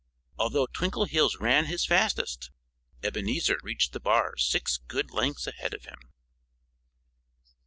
Although Twinkleheels ran his fastest, Ebenezer reached the bars six good lengths ahead of him.